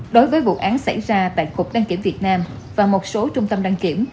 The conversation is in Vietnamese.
đối với vụ án xảy ra tại cục đăng kiểm việt nam và một số trung tâm đăng kiểm